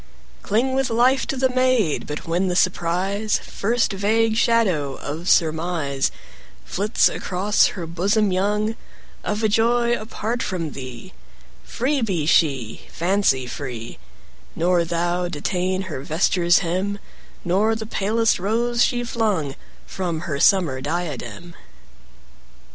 Cling with life to the maid; But when the surprise, 35 First vague shadow of surmise, Flits across her bosom young, Of a joy apart from thee, Free be she, fancy free; Nor thou detain her vesture's hem, 40 Nor the palest rose she flung From her summer diadem.